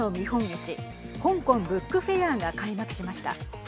市香港ブックフェアが開幕しました。